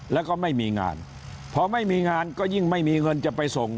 แล้วก็ไม่มีงานพอไม่มีงานก็ยิ่งไม่มีเงินจะไปส่ง